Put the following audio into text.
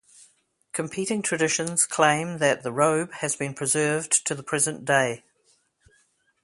Competing traditions claim that the robe has been preserved to the present day.